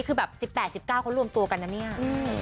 เขาร่วมตัวกันนะเนี่ย